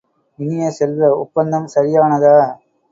இனிய செல்வ, ஒப்பந்தம் சரியானதா?